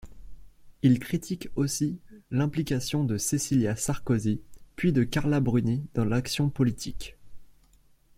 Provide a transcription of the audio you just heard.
Il critique aussi l'implication de Cécilia Sarkozy puis de Carla Bruni dans l'action politique.